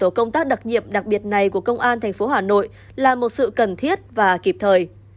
mô hình tổ công tác đặc nhiệm đặc biệt này của công an tp hà nội là một sự cần thiết và kịp thời